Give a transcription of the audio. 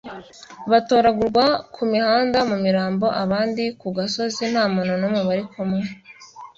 batoragurwa ku mihanda mu mirambo abandi ku gasozi nta muntu n’umwe bari kumwe